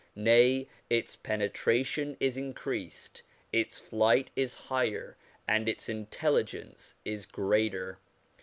Nay, its penetration is increased, its flight is higher, and its intelligence is greater.